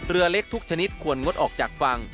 เรือเล็กทุกชนิดควรงดออกจากฝั่ง